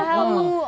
oh itu terlalu